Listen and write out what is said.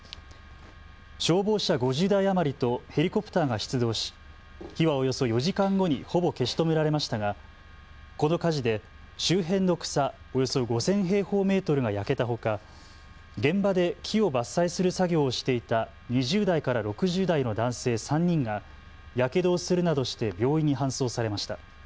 消防車５０台余りとヘリコプターが出動し火はおよそ４時間後にほぼ消し止められましたがこの火事で周辺の草およそ５０００平方メートルが焼けたほか、現場で木を伐採する作業をしていた２０代から６０代の男性３人がやけどをするなどして病院に搬送されました。